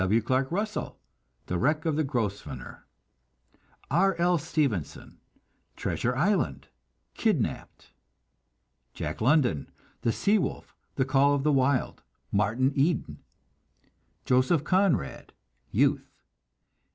W. Clark Russell: The Wreck of the Grosvenor. R. L. Stevenson: Treasure Island, Kidnapped. Jack London: The Sea Wolf, The Call of the Wild, Martin Eden. Joseph Conrad: Youth.